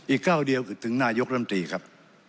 ก้าวเดียวคือถึงนายกรัมตรีครับ